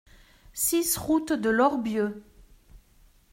six route de l'Orbieu